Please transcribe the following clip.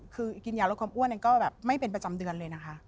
คือกินยาละครอบอ้วนก็ไม่เป็นประจำเดือนเลยนะคะ